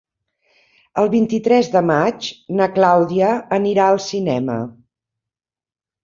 El vint-i-tres de maig na Clàudia anirà al cinema.